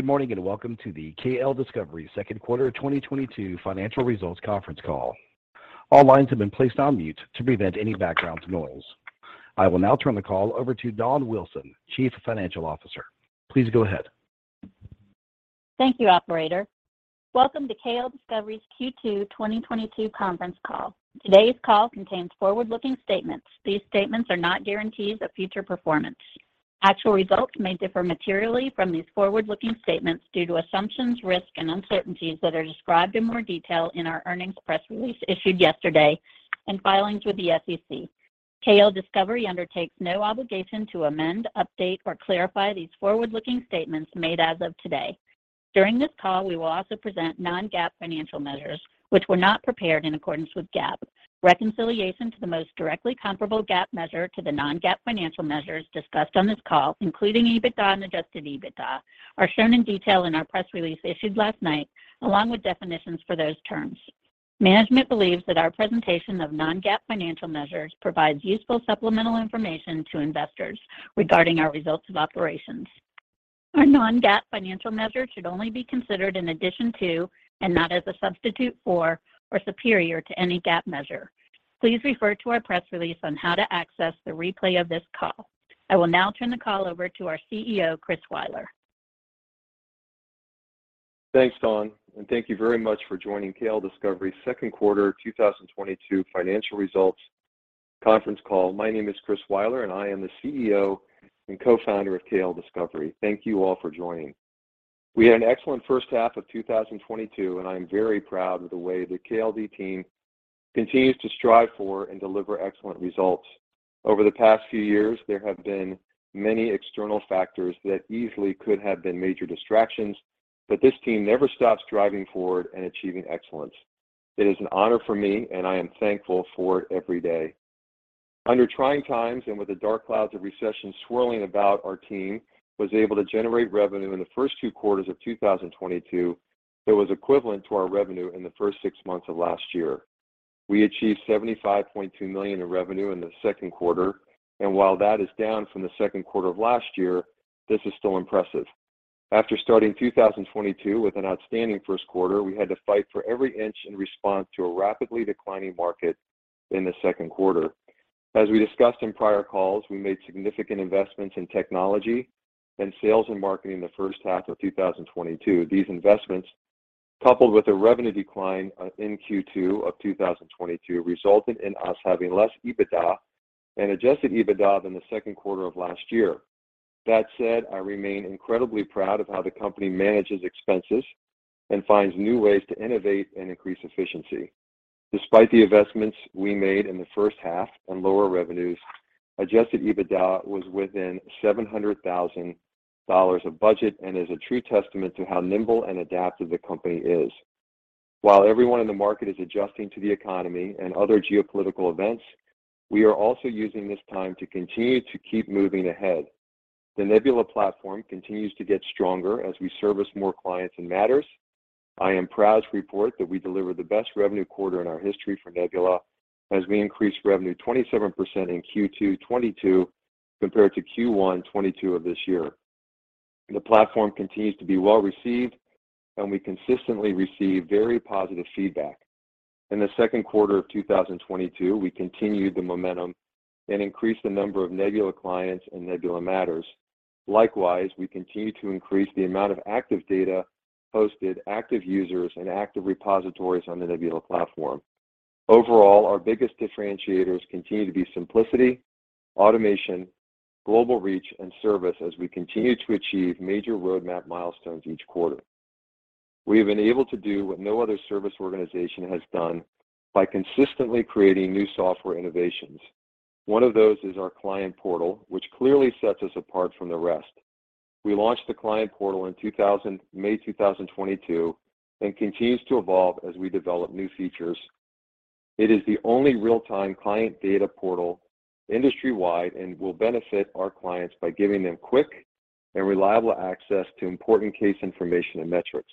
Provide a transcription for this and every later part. Good morning, and welcome to the KLDiscovery Q2 2022 financial results conference call. All lines have been placed on mute to prevent any background noise. I will now turn the call over to Dawn Wilson, Chief Financial Officer. Please go ahead. Thank you, operator. Welcome to KLDiscovery's Q2 2022 conference call. Today's call contains forward-looking statements. These statements are not guarantees of future performance. Actual results may differ materially from these forward-looking statements due to assumptions, risks and uncertainties that are described in more detail in our earnings press release issued yesterday and filings with the SEC. KLDiscovery undertakes no obligation to amend, update, or clarify these forward-looking statements made as of today. During this call, we will also present non-GAAP financial measures, which were not prepared in accordance with GAAP. Reconciliation to the most directly comparable GAAP measure to the non-GAAP financial measures discussed on this call, including EBITDA and adjusted EBITDA, are shown in detail in our press release issued last night, along with definitions for those terms. Management believes that our presentation of non-GAAP financial measures provides useful supplemental information to investors regarding our results of operations. Our non-GAAP financial measure should only be considered in addition to and not as a substitute for or superior to any GAAP measure. Please refer to our press release on how to access the replay of this call. I will now turn the call over to our CEO, Chris Weiler. Thanks, Dawn, and thank you very much for joining KLDiscovery Q2 2022 financial results conference call. My name is Chris Weiler, and I am the CEO and Co-founder of KLDiscovery. Thank you all for joining. We had an excellent first half of 2022, and I am very proud of the way the KLD team continues to strive for and deliver excellent results. Over the past few years, there have been many external factors that easily could have been major distractions, but this team never stops driving forward and achieving excellence. It is an honor for me, and I am thankful for it every day. Under trying times and with the dark clouds of recession swirling about, our team was able to generate revenue in the first two quarters of 2022 that was equivalent to our revenue in the first six months of last year. We achieved $75.2 million in revenue in the Q2, and while that is down from the Q2 of last year, this is still impressive. After starting 2022 with an outstanding Q1, we had to fight for every inch in response to a rapidly declining market in the Q2. As we discussed in prior calls, we made significant investments in technology and sales and marketing in the first half of 2022. These investments, coupled with a revenue decline in Q2 of 2022, resulted in us having less EBITDA and Adjusted EBITDA than the Q2 of last year. That said, I remain incredibly proud of how the company manages expenses and finds new ways to innovate and increase efficiency. Despite the investments we made in the first half and lower revenues, Adjusted EBITDA was within $700,000 of budget and is a true testament to how nimble and adaptive the company is. While everyone in the market is adjusting to the economy and other geopolitical events, we are also using this time to continue to keep moving ahead. The Nebula platform continues to get stronger as we service more clients and matters. I am proud to report that we delivered the best revenue quarter in our history for Nebula as we increased revenue 27% in Q2 2022 compared to Q1 2022 of this year. The platform continues to be well-received, and we consistently receive very positive feedback. In the Q2 of 2022, we continued the momentum and increased the number of Nebula clients and Nebula matters. Likewise, we continue to increase the amount of active data hosted, active users and active repositories on the Nebula platform. Overall, our biggest differentiators continue to be simplicity, automation, global reach, and service as we continue to achieve major roadmap milestones each quarter. We have been able to do what no other service organization has done by consistently creating new software innovations. One of those is our Client Portal, which clearly sets us apart from the rest. We launched the Client Portal in May 2022 and continues to evolve as we develop new features. It is the only real-time client data portal industry-wide and will benefit our clients by giving them quick and reliable access to important case information and metrics.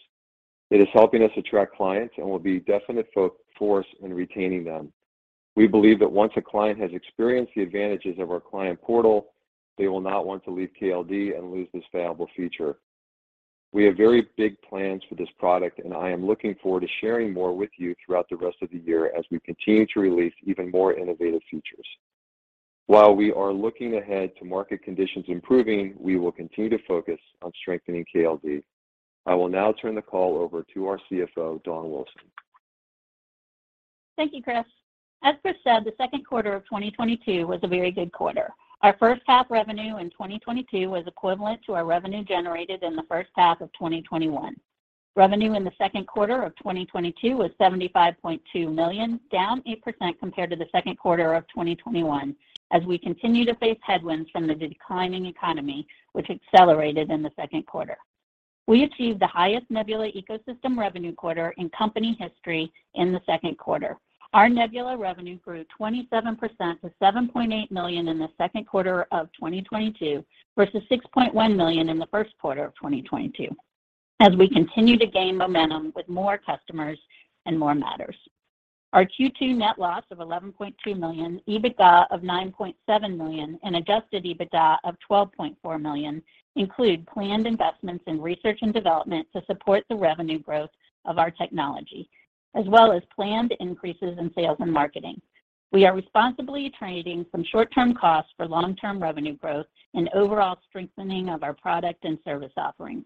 It is helping us attract clients and will be a definite force in retaining them. We believe that once a client has experienced the advantages of our Client Portal, they will not want to leave KLD and lose this valuable feature. We have very big plans for this product, and I am looking forward to sharing more with you throughout the rest of the year as we continue to release even more innovative features. While we are looking ahead to market conditions improving, we will continue to focus on strengthening KLD. I will now turn the call over to our CFO, Dawn Wilson. Thank you, Chris. As Chris said, the Q2 of 2022 was a very good quarter. Our first half revenue in 2022 was equivalent to our revenue generated in the first half of 2021. Revenue in the Q2 of 2022 was $75.2 million, down 8% compared to the Q2 of 2021 as we continue to face headwinds from the declining economy, which accelerated in the Q2. We achieved the highest Nebula ecosystem revenue quarter in company history in the Q2. Our Nebula revenue grew 27% to $7.8 million in the Q2 of 2022 versus $6.1 million in the Q1 of 2022 as we continue to gain momentum with more customers and more matters. Our Q2 net loss of $11.2 million, EBITDA of $9.7 million, and Adjusted EBITDA of $12.4 million include planned investments in research and development to support the revenue growth of our technology as well as planned increases in sales and marketing. We are responsibly trading some short-term costs for long-term revenue growth and overall strengthening of our product and service offerings.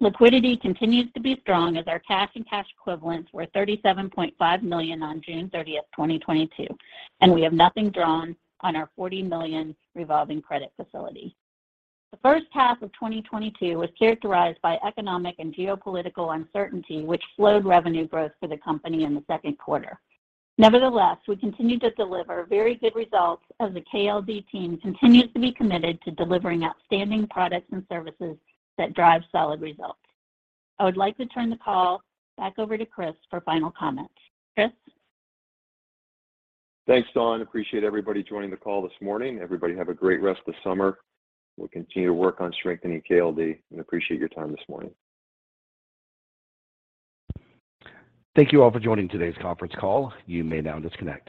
Liquidity continues to be strong as our cash and cash equivalents were $37.5 million on June 30, 2022, and we have nothing drawn on our $40 million revolving credit facility. The first half of 2022 was characterized by economic and geopolitical uncertainty, which slowed revenue growth for the company in the Q2. Nevertheless, we continued to deliver very good results as the KLD team continues to be committed to delivering outstanding products and services that drive solid results. I would like to turn the call back over to Chris for final comments. Chris? Thanks, Dawn. Appreciate everybody joining the call this morning. Everybody have a great rest of the summer. We'll continue to work on strengthening KLD and appreciate your time this morning. Thank you all for joining today's conference call. You may now disconnect.